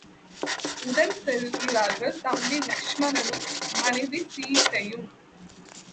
உடன் செல்கிறார்கள் தம்பி லக்ஷ்மணனும் மனைவி சீதையும்.